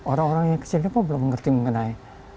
orang orang yang kecilnya kok belum ngerti mengenai